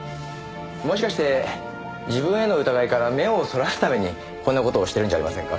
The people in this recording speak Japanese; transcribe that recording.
もしかして自分への疑いから目をそらすためにこんな事をしてるんじゃありませんか？